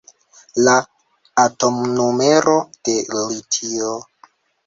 La atomnumero de litio.